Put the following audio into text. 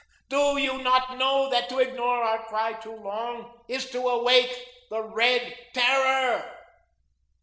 Do you not know that to ignore our cry too long is to wake the Red Terror?